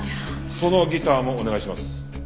そのギターもお願いします。